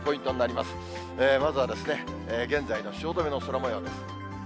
まずは現在の汐留の空もようです。